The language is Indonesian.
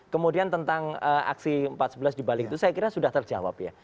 kemudian tentang aksi empat sebelas di balik itu saya kira sudah terjawab ya